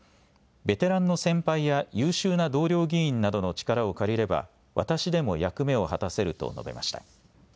ベテランの先輩や優秀な同僚議員などの力を借りれば私でも役目を果たせると述べました。